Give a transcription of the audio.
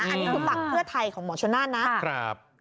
อันนี้คุณฝังเพื่อไทยของหมอชนน่านนะ